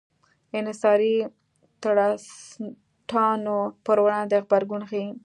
انحصاري ټرستانو پر وړاندې غبرګون ښيي.